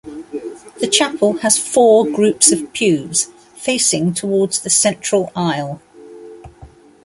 The Chapel has four groups of pews, facing towards the central aisle.